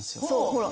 ほら。